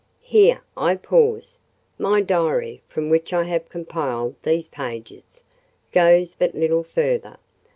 Here I pause. My Diary, from which I have compiled these pages, goes but little further.